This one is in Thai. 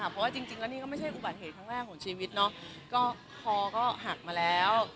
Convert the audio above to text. เพราะว่าจริงแล้วนี่ก็ไม่ใช่อุบัติเหตุครั้งแรกของชีวิตเนาะก็คอก็หักมาแล้ว